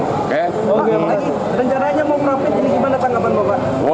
pak lagi rencananya mau profit ini gimana tanggapan bapak